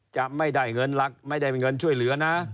จะไม่ได้เงินหลักไม่ได้เงินช่วยเหลือนะ